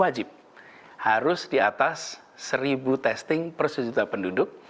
jadi jumlah yang ditestnya harus di atas satu testing per sejuta penduduk